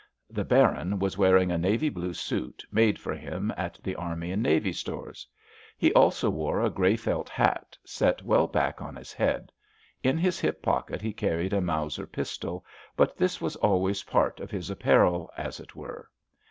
The Baron was wearing a navy blue suit, made for him at the Army and Navy Stores. He also wore a grey felt hat, set well back on his head. In his hip pocket he carried a Mauser pistol, but this was always part of his apparel, as it were.